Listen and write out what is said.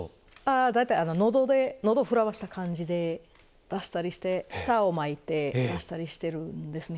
大体喉で喉震わせた感じで出したりして舌を巻いて出したりしてるんですね。